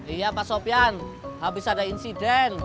iya pak sofian habis ada insiden